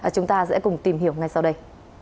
chúng ta sẽ cùng tìm hiểu ngay sau đây